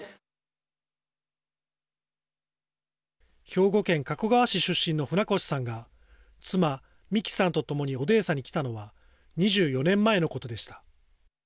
兵庫県加古川市出身の船越さんが妻、美貴さんと共にオデーサに来たのは２４年前のことでした。